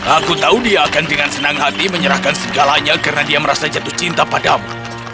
aku tahu dia akan dengan senang hati menyerahkan segalanya karena dia merasa jatuh cinta padamu